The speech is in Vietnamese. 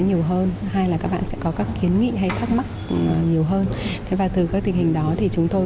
giảm hai là các bạn sẽ có các kiến nghị hay thắc mắc nhiều hơn và từ các tình hình đó thì chúng tôi